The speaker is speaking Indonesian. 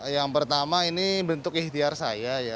yang pertama ini bentuk ikhtiar saya ya